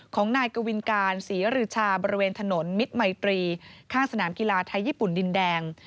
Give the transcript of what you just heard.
ของนายกวินการศรีรือชาบริเวณถนนมิตรมัยตรีข้างสนามกีฬาไทยญี่ปุ่นดินแดง